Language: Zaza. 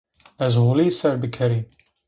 Ez holî ser bikerî